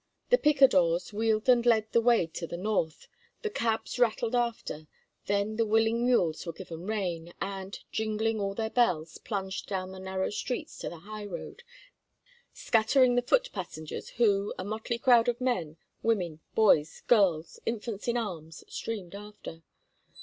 The picadores wheeled and led the way to the north, the cabs rattled after; then the willing mules were given rein, and, jingling all their bells, plunged down the narrow streets to the high road, scattering the foot passengers, who, a motley crowd of men, women, boys, girls, infants in arms, streamed after.